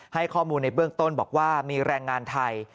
ให้ข้อมูลในเบื้องต้นบอกว่ามีแรงงานไทย